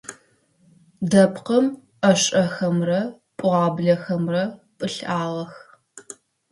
Дэпкъым ӏашэхэмрэ пӏуаблэхэмрэ пылъагъэх.